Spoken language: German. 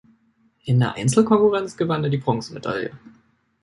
In der Einzelkonkurrenz gewann er die Bronzemedaille.